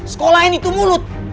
sekolah ini tuh mulut